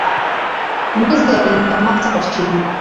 Mwizi alinikamata kwa shingo